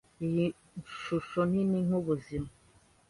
Iyi shusho nini nkubuzima.